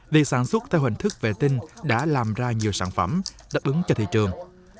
việc sản xuất theo hình thức vệ tinh đã làm ra nhiều sản phẩm đáp ứng cho thị trường